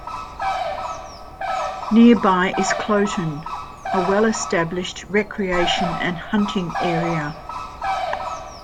Nearby is Kloten, a well-established recreation and hunting area.